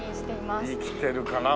生きてるかな？